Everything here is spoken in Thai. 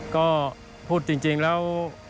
ก็พูดจริงแล้ว